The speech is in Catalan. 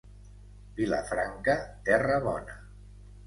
Vilafranca, terra bona.